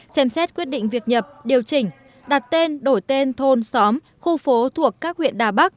xem xét quyết định việc nhập điều chỉnh đặt tên đổi tên thôn xóm khu phố thuộc các huyện đà bắc